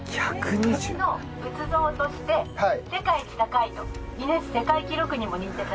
青銅製の立像として世界一高いとギネス世界記録にも認定されております。